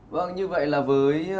vâng như vậy là với